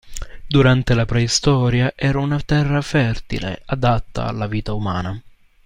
Durante la preistoria era una terra fertile, adatta alla vita umana.